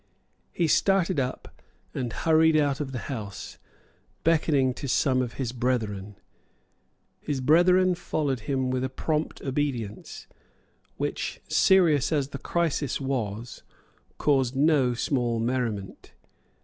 He started up and hurried out of the House, beckoning to some of his brethren. His brethren followed him with a prompt obedience, which, serious as the crisis was, caused no small merriment.